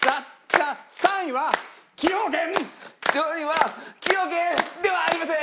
３位は崎陽軒ではありませーん。